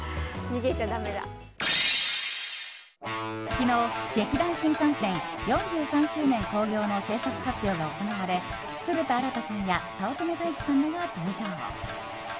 昨日、劇団☆新感線４３周年興行の製作発表が行われ古田新太さんや早乙女太一さんらが登場。